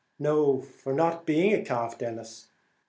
"No; for not being a calf, Denis."